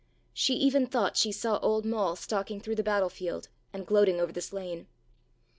She even thought she saw "Old Moll" stalking through the battle field and gloating over the slain.